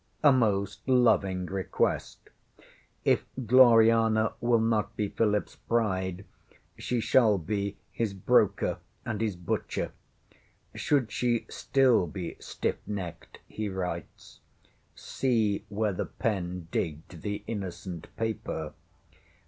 A most loving request! If Gloriana will not be PhilipŌĆÖs bride, she shall be his broker and his butcher! Should she still be stiff necked, he writes see where the pen digged the innocent paper!